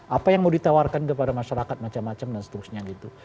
apa yang mau ditawarkan kepada masyarakat macam macam dan seterusnya gitu